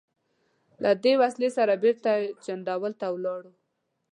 له دې وسلې سره بېرته جندول ته ولاړ.